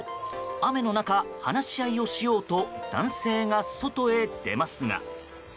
雨の中、話し合いをしようと男性が外へ出ますが。